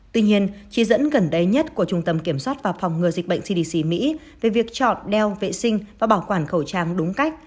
tuy nhiên chỉ dẫn gần đây nhất của trung tâm kiểm soát và phòng ngừa dịch bệnh cdc mỹ về việc chọn đeo vệ sinh và bảo quản khẩu trang đúng cách